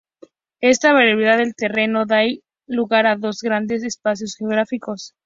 Esta variabilidad del terreno da lugar a dos grandes espacios geográficos.